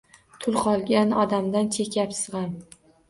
Tul qolgan odamday chekayapsiz g’am